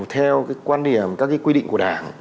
theo quan điểm các quy định của đảng